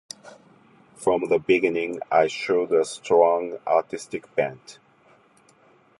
From the beginning I showed a strong artistic bent.